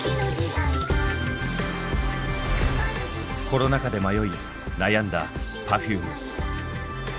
コロナ禍で迷い悩んだＰｅｒｆｕｍｅ。